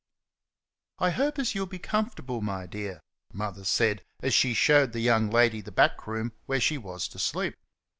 "I hope as you'll be comfortable, my dear," Mother observed as she showed the young lady the back room where she was to sleep.